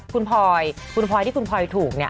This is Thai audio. คุณพลอยคุณพลอยที่คุณพลอยถูกเนี่ย